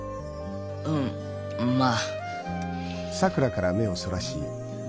うんまあ。